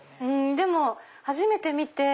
でも初めて見て。